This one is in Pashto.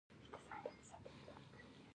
د هند تاریخ اوږد دی.